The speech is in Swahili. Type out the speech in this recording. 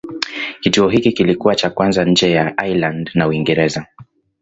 Kituo hiki kilikuwa cha kwanza nje ya Ireland na Uingereza.